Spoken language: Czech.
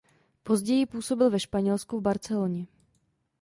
Později působil ve Španělsku v Barceloně.